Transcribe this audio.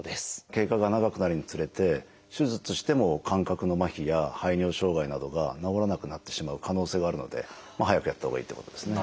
経過が長くなるにつれて手術しても感覚の麻痺や排尿障害などが治らなくなってしまう可能性があるので早くやったほうがいいってことですね。